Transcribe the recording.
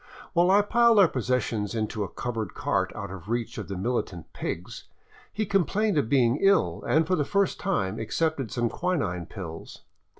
While I piled our possessions into a covered cart out of reach of the militant pigs, he complained of being ill and for the first time accepted some quinine pills.